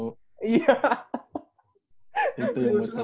itu yang lucu banget